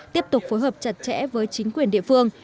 tiếp tục phối hợp chặt chẽ với chính quyền địa phương